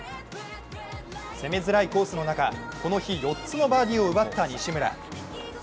攻めづらいコースの中、この日、４つのバーディーを奪った西村。